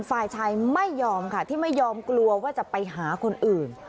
ฝ่ายชายไม่ยอมค่ะที่ไม่ยอมกลัวว่าจะไปหาคนอื่น